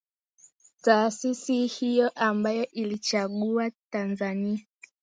taasisi hiyo ambayo iliichagua Tanzania